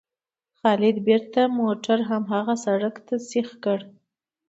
خالد بېرته موټر هماغه سړک ته سیخ کړ.